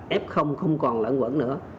và f không còn lẫn quẩn nữa